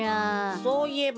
そういえば。